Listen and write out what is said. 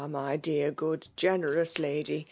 my dear> good, geneioiis lady !''